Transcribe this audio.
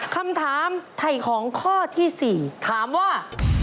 คำถามไถ่ของข้อที่๔ถามว่า